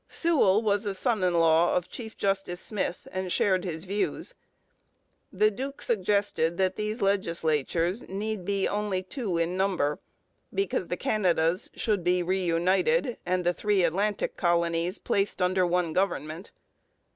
Sewell was a son in law of Chief Justice Smith and shared his views. The duke suggested that these legislatures need be only two in number, because the Canadas should be reunited and the three Atlantic colonies placed under one government.